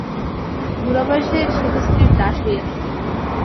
বুড়া বয়সে সে তো স্ত্রীর দাস হইয়া থাকিবে।